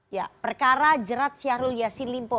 ya perkara jerat syahrul yassin limpo